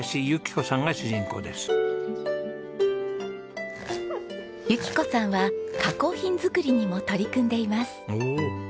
由紀子さんは加工品作りにも取り組んでいます。